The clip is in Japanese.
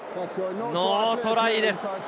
ノートライです。